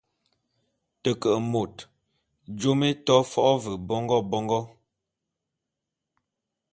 Te ke môt…jôm é to fo’o ve bongô bongô.